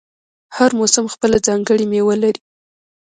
هر موسم خپله ځانګړې میوه لري.